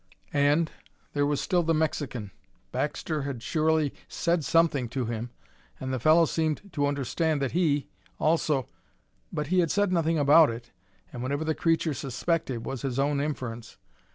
And there was still the Mexican! Baxter had surely said something to him, and the fellow seemed to understand that he, also but he had said nothing about it, and whatever the creature suspected was his own inference.